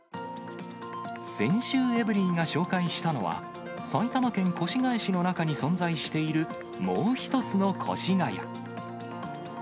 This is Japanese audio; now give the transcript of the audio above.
先週、エブリィが紹介したのは、埼玉県越谷市の中に存在しているもう一つの越谷。